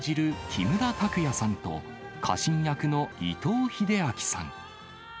木村拓哉さんと、家臣役の伊藤英明さん。